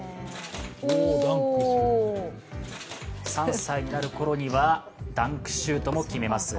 ３歳になるころには、ダンクシュートも決めます。